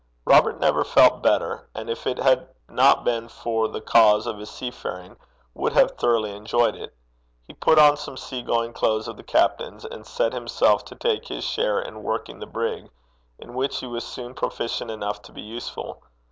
Robert never felt better, and if it had not been for the cause of his sea faring, would have thoroughly enjoyed it. He put on some sea going clothes of the captain's, and set himself to take his share in working the brig, in which he was soon proficient enough to be useful.